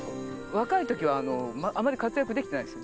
若い時はあまり活躍できてないんです。